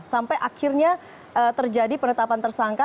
sampai akhirnya terjadi penetapan tersangka